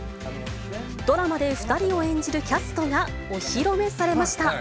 ドラマで２人を演じるキャストがお披露目されました。